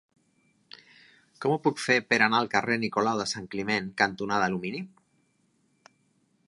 Com ho puc fer per anar al carrer Nicolau de Sant Climent cantonada Alumini?